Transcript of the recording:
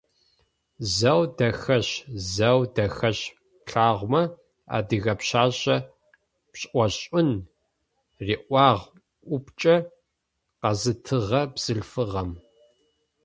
«Зэу дахэшъ, зэу дахэшъ, плъэгъумэ - адыгэ пшъашъэ пшӏошӏын», - риӏуагъ упчӏэ къэзытыгъэ бзылъфыгъэм.